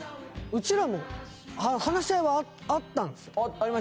うちらも話し合いはあったんですよ。